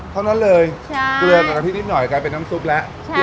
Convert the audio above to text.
เท่านั้นเลยเกลือกับกะทินิดหน่อยกลายเป็นน้ำซุปแล้ว